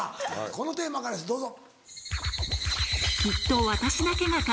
このテーマからですどうぞ。